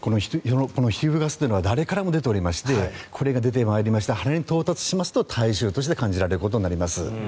皮膚ガスというのは誰からも出ていましてこれが出て肌に到達すると体臭として感じられることになります。